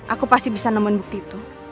aku pasti bisa nemuin bukti itu